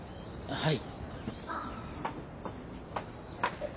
はい。